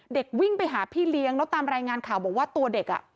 เด็กวิ่งไปหาพี่เลี้ยงแล้วตามรายงานข่าวบอกว่าตัวเด็กอ่ะ